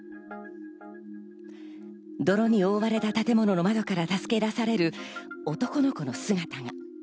泥に覆われた建物の窓から助け出される男の子の姿が。